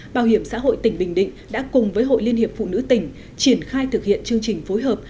bảo hiểm xã hội tỉnh bình định đã cùng với hội liên hiệp phụ nữ tỉnh triển khai thực hiện chương trình phối hợp